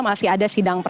masih ada sidang gap